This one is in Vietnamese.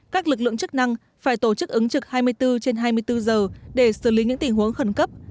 các lực lượng chức năng phải tổ chức ứng trực hai mươi bốn trên hai mươi bốn giờ để xử lý những tình huống khẩn cấp